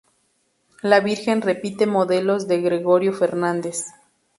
La virgen repite modelos de Gregorio Fernández.